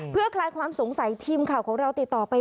เพื่อคลายความสงสัยทีมข่าวของเราติดต่อไป